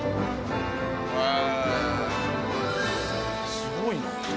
すごいな。